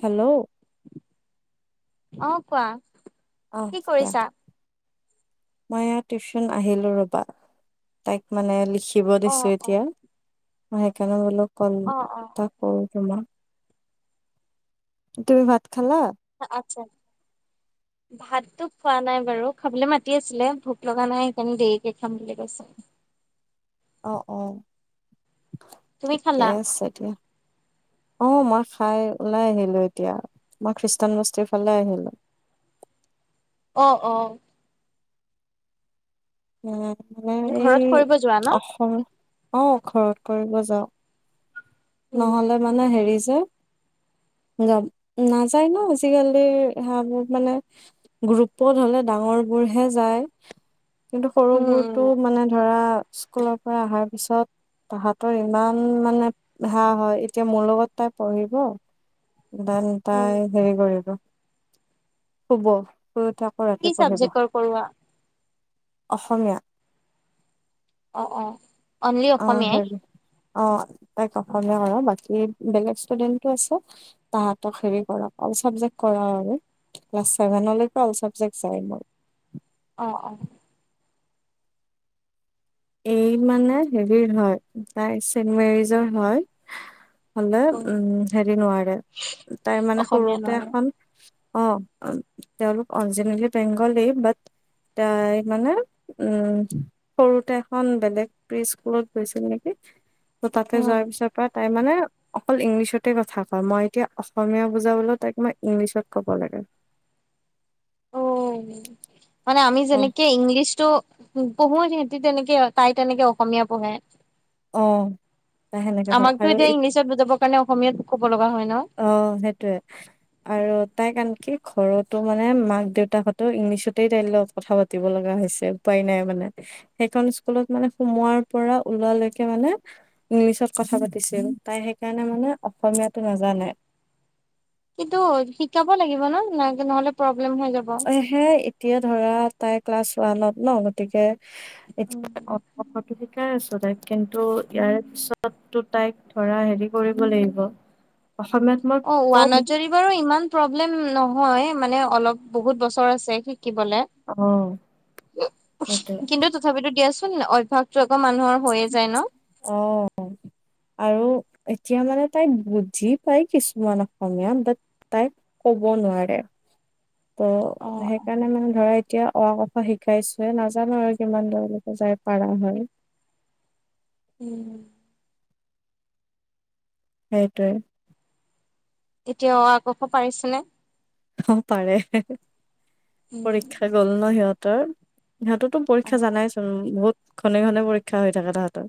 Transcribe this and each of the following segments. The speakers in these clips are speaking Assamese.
হেল্ল' অ' কোৱা অহ' কি কোৱা কৰিছা? মই এয়া টিউচন আহিলো ৰবা তাইক মানে লিখি লিখিব অ দিছে অ এতিয়া মই কাৰণ বোলো কল অ অ এটা কৰোঁ তোমাক তুমি ভাত খালা আচ্ছা ভাততো খোৱা নাই বাৰু খাবলৈ মাতি আছিলে ভোক লগা নাই সেইকাৰণে দেৰিকে খাম বুলি কৈছো অহ অ তুমি ঠিকে খালা? আছে দিয়া অ মই খাই ওলাই আহিলো এতিয়া মই খ্ৰীষ্টান বস্তিৰ ফালে আহিলো অ অ উম মানে এই ঘৰত কৰিব যোৱা ন? অসম অ ঘৰত কৰিব যাওঁ উম নহলে মানে হেৰি যে যাম নাযায় ন আজিকালিৰ সেয়া বোৰ মানে গ্ৰুপত হলে ডাঙৰবোৰহে যায় কিন্তু উম উম সৰুবোৰতো মানে ধৰা স্কুলৰ পৰা আহাৰ পিছত তাহতৰ ইমান মানে হা হয় এতিয়া মোৰ লগত তাই পঢ়িব। দেন উম তাই হেৰি কৰিব। শুব। শুই উঠি আকৌ ৰাতি কি পঢ়িব। চাবজেক্টৰ কৰোৱা? অসমীয়া। অ', অ, অনলি অ অসমীয়াই? হেৰি অ', তাইক অসমীয়া কৰাও বাকী বেলেগ ষ্টুডেণ্টও আছে, তাহাতক হেৰি পঢ়াও অল চাবজেক্ট কৰাও আৰু, ক্লাছ ছেভেন' লৈকে অল চাবজেক্ট যায় অকল। অ অ এই মানে হেৰিৰ হয়, তাই চেড মেৰিজৰ হয়। হ'লে অ উম হেৰি নোৱাৰে, তাই মানে অসমীয়া সৰুতে নোৱাৰে। এখন অ', তেওঁলোক অৰিজিনেলি বেংগলী বাট, তাই মানে, উম, সৰুতে খন বেলেগ, প্ৰি স্কুলত গৈছিল নেকি। ত' তাতে উম যোৱাৰ পিছৰ পৰা তাই মানে অকল ইংলিছতে কথা কয়, মই এতিয়া অসমীয়া বুজাবলৈ তাইক মই ইংলিছত ক'ব লাগে। অ [unintelligible] মানে আমি অ', যেনেকে ইংলিছটো পঢ়ো সিহতে তেনেকে, তাই তেনেকে অসমীয়া পঢ়ে। অ'। তাই সেনেকে কয় আমাকতো আৰু এতিয়া ইংলিছত বুজাব কাৰণে অসমীয়াত ক'ব লগা হয় ন? অ', সেইটোয়ে আৰু তাই [unintelligible] কি ঘৰতো মানে মাক দেউতাকহতেওঁ ইংলিছতেই তাই লগত কথা পাতিব লগা হৈছে উপায় নাই মানে, সেইখন স্কুলত মানে সোমোৱাৰ পৰা ওলোৱালৈকে মানে, ইংলিছত কথা পাতিছিল। তাই সেইকাৰণে মানে অসমীয়াতো নাযা জানে। কিন্তু শিকাব লাগিব ন', নহলে প্ৰব [unintelligible] হৈ যাব। হে এতিয়া ধৰা তাই ক্লাছ ওৱানত ন', গতিকে [unintelligible] শিকাই আছো তাইক, কিন্তু ইয়াৰে পিছতো তাইক ধৰা হেৰি কৰিব লাগিব। অসমীয়াত মই অ' কম ওৱানত যৰি বাৰু ইমান প্ৰব্লেম নহয় হয় মানে অলপ বহুত বছৰ আছে শ কি বলে, অ সেইটোৱে কিন্তু তথাপিতো দিয়া অভ্যাসটো অকমান অ' আৰু এ এতিয়া মানে তাই বুজি পায় কিছুমান অসমীয়া বাত তাই কব নোৱাৰে। ত' সেইকাৰণে মানে ধৰা এতিয়া অ আ ক খ শিকাইছোৱে নাজানো আৰু কিমান দূৰলৈকে যাই পাৰা হয়। উম। সেইটোৱে। এতিয়া অ আ ক খ পাৰিছেনে? অ' পাৰে। পৰীক্ষা গ'ল ন' সিহঁত তৰ সিহঁততো পৰীক্ষা জানাইচোন বহুত ঘনে ঘনে পৰীক্ষা হৈ থাকে তাহাঁতৰ,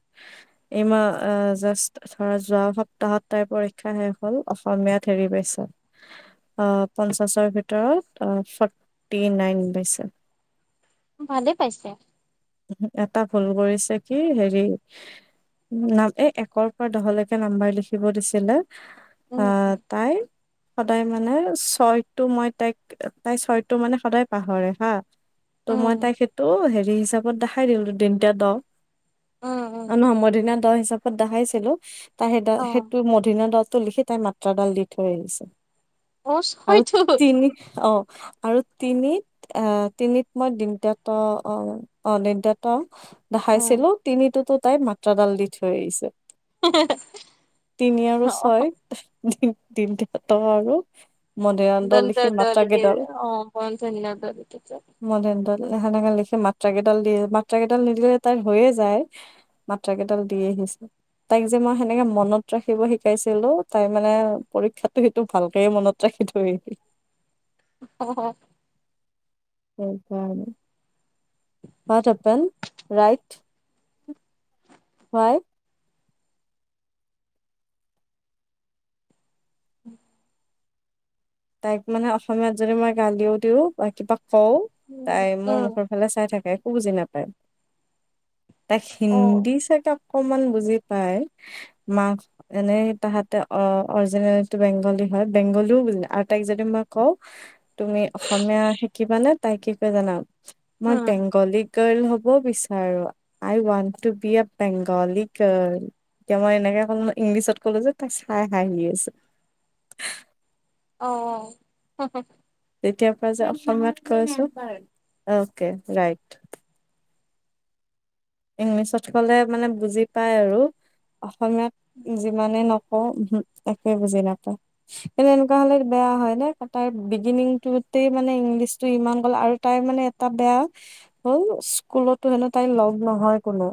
এইমাহ আহ জাষ্ট ধৰা যোৱা সপ্তাহত তাইৰ পৰীক্ষা শেষ হল অসমীয়াত হেৰি পাইছা আহ পঞ্চাছৰ ভিতৰত ফৰ্টি নাইন পাইছে। ভালে পাইছে। এটা ভুল কৰিছে কি হেৰি নাম এ একৰ পৰা দহলৈকে নাম্বাৰ লিখিব দিছিলে উম আহ উম তাই সদায় মানে চয়টো মই তাইক, তাই চয়টো মানে সদায় পাহৰে হা। ত মই উম তাই সেইটো হে এই চব ত দেখাই দিওঁ দন্তিয়া দ। উম উম নহয় মধণিয়া ণ। দ হিচাপত দেখাইছিলো। অ [unintelligible] টো, লিখি তাইৰ মাত্ৰাডাল দি থৈ আহিছে। অ আৰু হয়তো তিনি অ' আৰু তিনিত এ, তিনিত মই দিন্তিয়া ত' অ' অ', [unintelligible] অ দেখাইছিলোঁ তিনিটোতো তাই মাত্ৰাডাল দি থৈ আহিছে। তিনি আৰু ছয়। [unintelligible] দল লিখি মাত্ৰা কেইডাল [unintelligible] সেনেকে লিখি মাত মাত্ৰা কেইডাল দি, মাত্ৰা কেইডাল নিদিলে তাইৰ হৈয়ে যায়, মাত্ৰা কেইডাল দি আহিছে, তাইক যে, মই সেনেকে মনত ৰাখিব শিকাইছিলোঁ, তাই মানে পৰীক্ষাটো সেইটো ভালকে মনত ৰাখি থৈ অ' সেইকাৰণে। What happen? Right why. তাইক মানে, অসমীয়াত যদি মই গালিও দিওঁ বা কিবা কওঁ উম তাই মোৰ উম মুখৰ ফালে চাই থাকে। বুজি নাপায়। তাইক অ হিন্দী চাগে। অকমান বুজি পাই। মা এনে তাহাতে অ' অৰিজিনেলটো বেংগলী হয় বেংগলীও বোজে। তাইক যদি মই কওঁ তুমি অসমীয়া শিকিবানে তাই কি কয় জানা। মাত উম বেংগলী। গাৰ্ল হ'ব বিচাৰো। I want to be a Bengali girl এতিয়া, মই এনেকে কলো ইংলিছত কলো যে তাই চাই হহি আছে। অ'। তেতিয়াৰ পৰা যে অসমত কৈছো, অকে ৰাইট। ইংলিছত কলে মানে বুজি পায় আৰু। অসমীয়ত যিমানে নকওঁ। একোৱে বুজি নাপায় কিন্তু, এনেকুৱা হলে বেয়া হয় ন তাইৰ বিগিনিং টোতেই মানে, ইংলিছটো ইমান গ'ল আৰু তাই মানে এটা বেয়া হ'ল স্কুলতো হেনো তাই লগ। নহয় কোনো।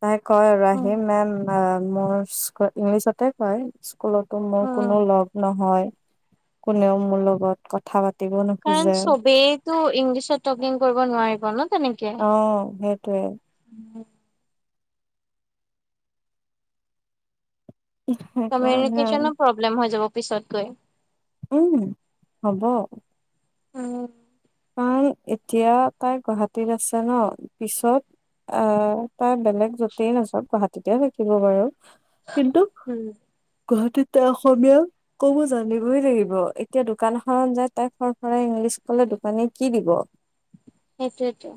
তাই কয় আৰু উম, আহিম মেম‌ অ'। মই ইংলিছতে কয়। স্কুলতো মোৰ কোনো লগ নহয়। কোনেও মোৰ লগত কথা পাত কাৰণ চবেইতো ইংলিছত টকিং কৰিব নোৱাৰিব ন' তেনেকে। অ সেইটোৱে উম, সেইকাৰণে আৰু কমিউনিকেচনৰ প্ৰব্লেম হৈ যাব। পিছতকৈ। উম হব। উম। কাৰণ এতিয়া তাই গুৱাহাটীত আছে ন, পিছত অহ তাই বেলেগ য'তেই নাচব গুৱাহাটীতে থাকিব বাৰু। কিন্তু গুৱাহাটীত ত অসমীয়া ক'ব জানিবই লাগিব। এতিয়া দোকান এখনত যাই তাই ফৰ ফৰাই ইংলিছ ক'লে মানে কি দিব সেইটোৱেতো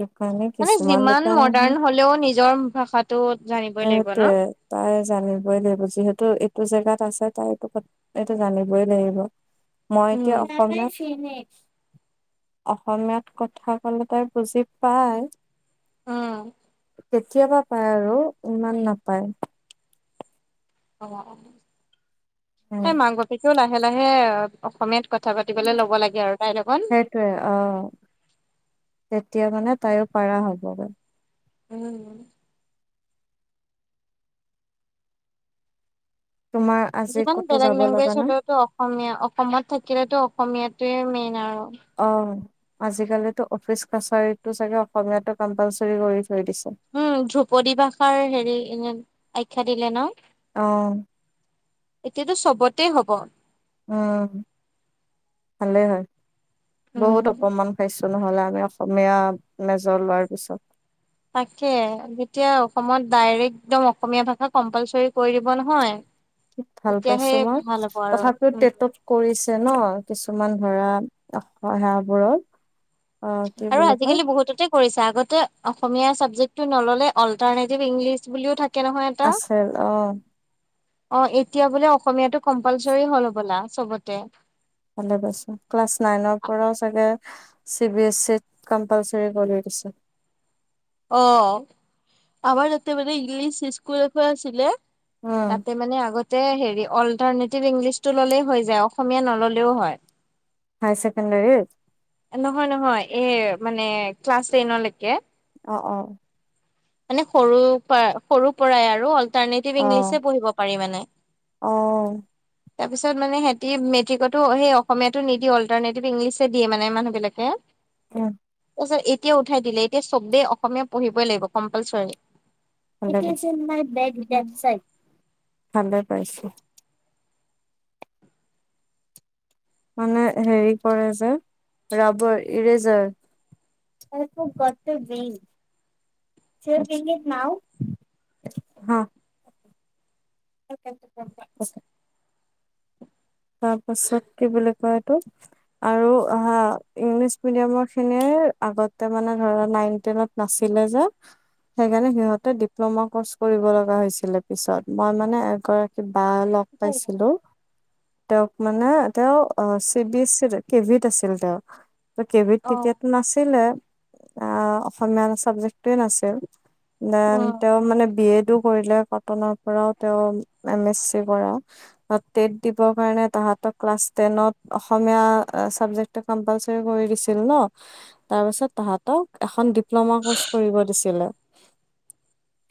দোকানী মানে কিছুমান যিমান দোকানীহে মডাৰ্ণ হলেও নিজৰ ভাষাটো জানিবই লাগিব ন। সেইটোয়ে তাই জানিবই লাগিব যিহেতু এইটো জেগাত আছে তাই এইটো ক এইটো জানিবই লাগিব। মই এতিয়া উম। অসমত [unintelligible] অসমীয়াত কথা ক'লে তাই বুজি পায়। অহ। কেতিয়াবা পায় আৰু ইমান নাপায়। অ অ। তাই উম মাক বাপেকো লাই লাহে লাহে অ অসমীয়াত কথা পাতিবলে ল'ব লাগে আৰু। তাইৰ লগত। সেইটোৱে অ তেতিয়া মানে তাইও পাৰা হ'বগে উম তোমাৰ আজি যিমান ক'তো বেলেগ যাব লগা লেংগুৱেজ নাই হলেওতো অসমীয়া অসমত থাকিলেতো অসমীয়াত সেইটোয়ে মেইন আৰু অ আজিকালিতো অফিচ কাছাৰীটো চাগে অসমীয়াটো কম্পালচৰি কৰি থৈ দিছে। উম ধ্ৰুপদী ভাষাৰ হেৰি এনে আখ্যা দিলে ন অহ এতিয়াতো চবতে হব উম ভালে হয় উম বহুত অপমান খাইছ ছো নহ'লে আমি অসমীয়াত মেজৰ লোৱাৰ পিছত তাকে যেতিয়া অসমত ডাইৰেক্ট একদম অসমীয়া ভাষা কম্পালচৰি কৰি দিব নহয় ভাল তেতিয়াহে পাইছো মই ভাল হ'ব আৰু তথাপিও উম টেটত কৰিছ ছে ন কিছুমান ধৰা সেৱাবোৰত আৰু আজিকালি বহুততে কৰিছা। আগতে অসমীয়া চাবজেক্টটো নল'লে অল্টাৰনেটিভ ইংলিছ বুলিও থা আছিল অ। অ এতিয়া বোলে অসমীয়াটো কম্পালচৰি হ'ল হ'বলা চবতে। ভালে পাইছোঁ। ক্লাছ নাইনৰ পৰাও চাগে চি বি এছ ইত কম্পালচৰি কৰি দিছে। অ আমাৰ তাতে মানে ইংলিছ ইস্কুল এখন আছিলে। উম, তাতে মানে আগতে হেৰি অল্টাৰনেটিভ ইংলিছটো ল'লেই হৈ যায় অসমীয়া নল'লেও হয়। হাই ছেকেণ্ডাৰীত। এ মানে ক্লাছ টেনলৈকে। অ অ। মানে সৰু পাই সৰুৰ পৰাই আৰু অল অল্টাৰনেটিভ অ', ইংলিছহে পঢ়িব পাৰি মানে। অ। তাৰপিছত মানে সিহঁতি মেট্ৰিকতো সেই অসমীয়াতো নিদি অল্টাৰনেটিভ ইংলিছহে দিয়ে মানে মানুহ বিলাকে। উ। তাৰ পাছত এতিয়া উঠাই দিলে এতিয়া চবেই অসমীয়া পঢ়িবই লাগিব। Compulsory. It is in my bag, that side. ভালে পাইছো। মানে হেৰি কৰে যে ৰাবাৰ ইৰেজাৰ। হা। তাৰপাছত কি বুলি কয় এইটো আৰু হা ইংলিছ মিডিয়ামৰ খিনিয়ে আগতে মানে ধৰা নাইন টেনত নাছিলে যে সেইকাৰণে সিহঁতে ডিপ্ল'মা কৰ্চ কৰিব লগা হৈছিলে পিছত। মই মানে এগৰাকী বা লগ পাইছিলো তেওঁক মানে তেওঁ তে অ চি বি এছ ই ৰে কেভিত আছিল তেওঁ। ত কেভিত অ তেতিয়াতো নাছিলে। অ অসমীয়াৰ চাব্জেক্ট ছিল দেন উম তেওঁ মানে বি এড কৰিলে। কটনৰ পৰাও তেওঁ এম এছ চি কৰা। টেট দিব সেইকাৰণে তাহাঁতক ক্লাছ টেনত অসমীয়া চাবজেক্টটো কম্পালছৰি কৰি দিছিল ন। তাৰ পিছত তাহাঁতক এখন ডিপ ডিপ্ল'মা ক'ৰ্ছ কৰিব দিছিলে।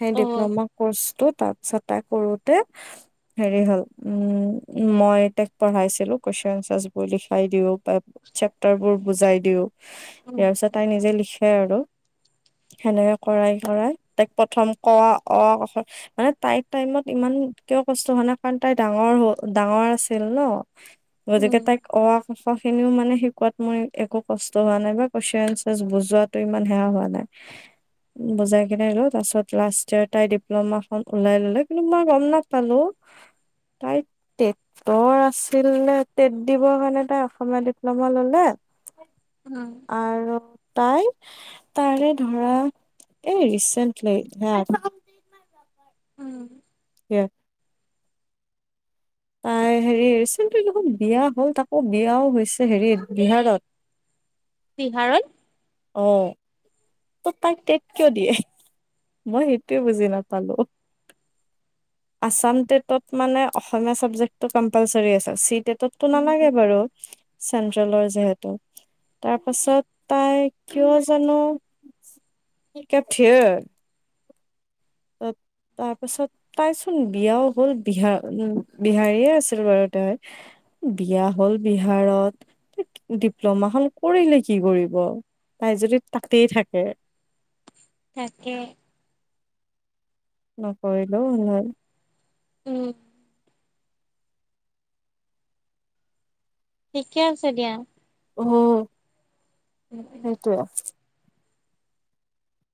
সেই অ ডিপ্ল'মা ক'ৰ্ছটোত তাৰপিছত এটা কৰোতে হেৰি হ'ল উম। মই তাইক পঢ়াইছিলো। কুৱেছচন আনছাৰবোৰ লিখাই দিওঁ বা চেপটাৰবোৰ বুজাই দিওঁ। উম ইয়াৰ পিছত তাই নিজে লিখ হে আৰু সেনেকে কৰাই কৰাই তাইক প্ৰথম ক অ মানে তাইৰ টাইমত ইমান কিয় কষ্ট হ নাই কাৰণ তাই ডাঙৰ হ'ল ডাঙৰ আছিল ন। গতিকে উম তাইক অ পিছৰ খিনিও মানে শিকোৱাত মোৰ একো কষ্ট হোৱা নাই বা কুৱেশ্যন বুজোৱাতো ইমান সেৱ হোৱা নাই বুজাই কিনে ল তাৰ পাছত লাষ্ট ইয়েৰ তাই ডিপ্ল'মা খন ওলাই ললে কিন্তু মই গম নাপালো তাই [inaudible] টেটৰ আছিল নে টেট দিবৰ কাৰণে তাই অসমীয়া ডিপ্ল'মা ললে উম আৰু তাই তাৰে ধৰা এ ৰিচেন্ট লৈ [inaudible] উম। ক [unintelligible] [inaudible] তাই হেৰি ৰিচেণ্টলি দেখোন বিয়া হ'ল তাকো বিয়াও হৈছে হেৰিত বিহাৰত। বিহাৰত? অ। ত তাই টট কিয় দিয়ে মই সেইটোৱে বুজি নাপালো আছাম টেটত মানে অসমীয়া চাবজেক্টো কম্পালচৰ আছে চি ততটো উম, নালাগে বাৰু চেন্ট্ৰেলৰ যিহেতু তাৰ পাছত তাই কিয় জানো কেঠ [unintelligible] তাৰপাছত তাইচোন বিয়াও হ'ল বিহাৰ উম বিহাৰীয়ে আছিল বাৰু তাই বিয়া হ'ল বিহাৰত ডিপ্ল'মাখন কৰিলে কি কৰিব তাই যদি তাতেই থাকে। তাকে! নকৰিলেও হল হয়। উম। ঠিকে আছে দিয়া। অহো সেইটোৱে।